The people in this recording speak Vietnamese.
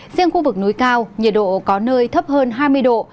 riêng khu vực núi cao nhiệt độ có nơi thấp hơn hai mươi độ